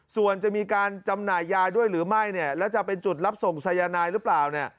ส่วนจะมีการจำหน่ายยาด้วยหรือไม่แล้วจะเป็นจุดลับส่งทรัพยานายหรือไม่